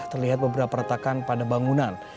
terlihat beberapa retakan pada bangunan